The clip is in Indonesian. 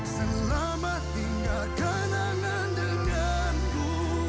selamat tinggal kenangan denganku